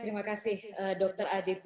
terima kasih dokter adit